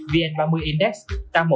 vn ba mươi index tăng một năm mươi chín